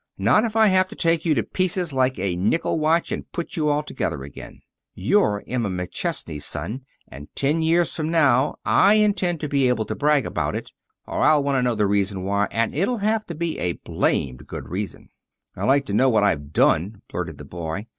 Not if I have to take you to pieces like a nickel watch and put you all together again. You're Emma McChesney's son, and ten years from now I intend to be able to brag about it, or I'll want to know the reason why and it'll have to be a blamed good reason." "I'd like to know what I've done!" blurted the boy.